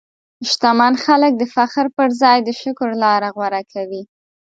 شتمن خلک د فخر پر ځای د شکر لاره غوره کوي.